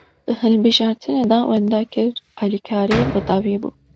Di hilbijartinê de wenda kir, alîkarî bi dawî bû